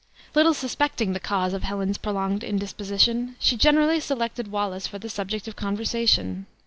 Little suspecting the cause of Helen's prolonged indisposition, she generally selected Wallace for the subject of conversation.